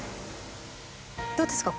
どうですか？